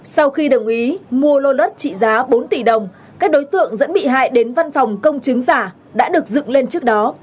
sau khi đồng ý mua lô đất trị giá bốn tỷ đồng các đối tượng dẫn bị hại đến văn phòng công chứng giả đã được dựng lên trước đó